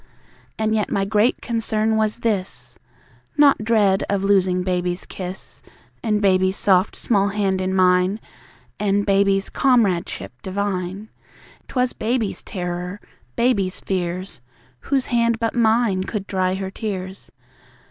And yet my great concern was this (Not dread of losing Baby's kiss, And Baby's soft small hand in mine, And Baby's comradeship divine), 'Twas BABY'S terror, BABY'S fears! Whose hand but mine could dry her tears?